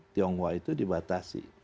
tiongkok itu dibatasi